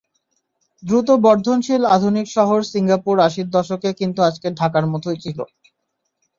দ্রুত বর্ধনশীল আধুনিক শহর সিঙ্গাপুর আশির দশকে কিন্তু আজকের ঢাকার মতোই ছিল।